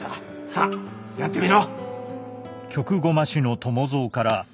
さあやってみろ。